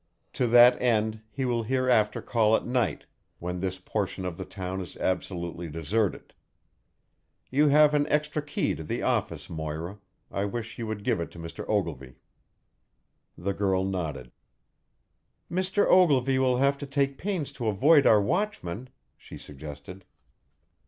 To that end he will hereafter call at night, when this portion of the town is absolutely deserted. You have an extra key to the office, Moira. I wish you would give it to Mr. Ogilvy." The girl nodded. "Mr. Ogilvy will have to take pains to avoid our watchman," she suggested.